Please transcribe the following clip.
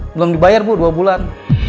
belum dibayar bu dua bulan